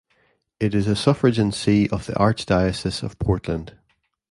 It is a suffragan see of the Archdiocese of Portland.